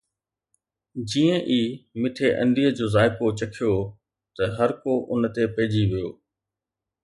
جيئن ئي مٺي انڊيءَ جو ذائقو چکيو ته هر ڪو ان تي پئجي ويو